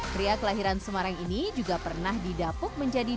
pria kelahiran semarang ini juga pernah didapuk menjadi